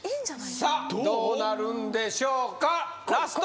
さあどうなるんでしょうかラスト